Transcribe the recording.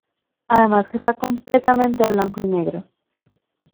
Además que está completamente a blanco y negro.